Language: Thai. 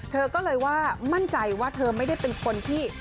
เธอก็เลยว่ามั่นใจว่าเธอไม่ได้เป็นคนที่